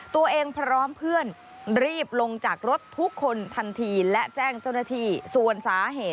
พร้อมเพื่อนรีบลงจากรถทุกคนทันทีและแจ้งเจ้าหน้าที่ส่วนสาเหตุ